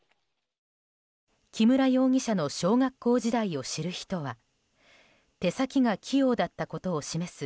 木村容疑者の小学校時代を知る人は手先が器用だったことを示す